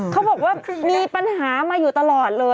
เขาบอกว่ามีปัญหามาอยู่ตลอดเลย